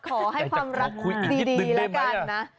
ขอให้ความรักดีแล้วกันนะ